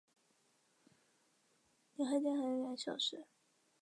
离开店时间还有两个小时